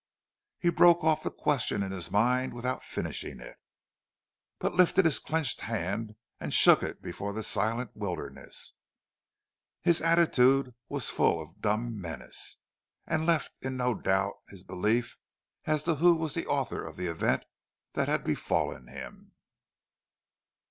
He broke off the question in his mind without finishing it; but lifted his clenched hand and shook it before the silent wilderness. His attitude was full of dumb menace, and left in no doubt his belief as to who was the author of the event that had befallen him.